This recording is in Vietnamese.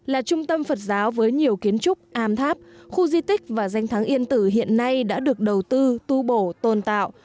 là trung tâm phật giáo với nhiều kiến trúc am tháp khu di tích và danh thắng yên tử hiện nay đã được đầu tư tu bổ tôn tạo